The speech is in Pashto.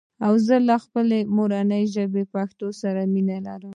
زه له خپلي مورني ژبي پښتو سره مينه لرم